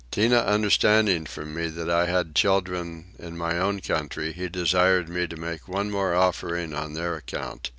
Tinah understanding from me that I had children in my own country he desired me to make one more offering on their account.